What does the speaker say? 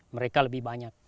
mereka lebih banyak